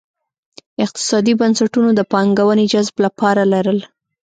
اقتصادي بنسټونو د پانګونې جذب لپاره لرل.